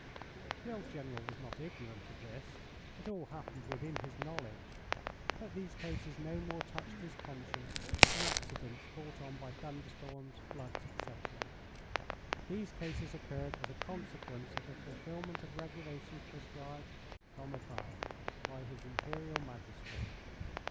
The old General was not ignorant of this; it all happened within his knowledge; but these cases no more touched his conscience than accidents brought on by thunderstorms, floods, etc. These cases occurred as a consequence of the fulfilment of regulations prescribed "from above" by His Imperial Majesty.